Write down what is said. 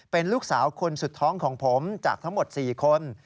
เป็นลูกสาวคนสุดท้องของผมจากทั้งหมด๔คน